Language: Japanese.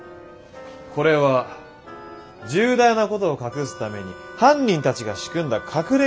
これは重大なことを隠すために犯人たちが仕組んだ隠れみのなのです。